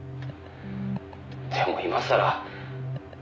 「でも今さら」